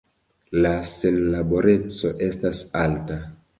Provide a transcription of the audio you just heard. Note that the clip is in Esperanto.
La senlaboreco estas alta.